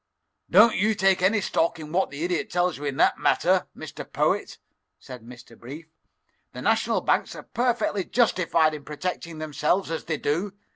"Don't you take any stock in what the Idiot tells you in that matter, Mr. Poet," said Mr. Brief. "The national banks are perfectly justified in protecting themselves as they do.